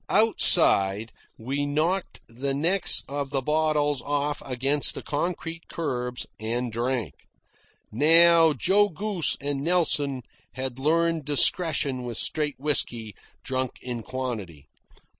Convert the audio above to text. Outside, we knocked the necks of the bottles off against the concrete curbs, and drank. Now Joe Goose and Nelson had learned discretion with straight whisky, drunk in quantity.